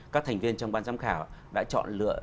các thành viên trong ban giám khảo đã chọn lựa